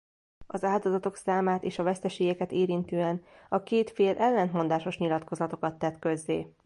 Az áldozatok számát és a veszteségeket érintően a két fél ellentmondásos nyilatkozatokat tett közzé.